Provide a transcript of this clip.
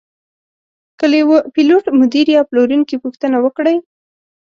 که له یوه پیلوټ، مدیر یا پلورونکي پوښتنه وکړئ.